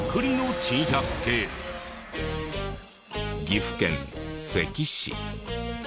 岐阜県関市。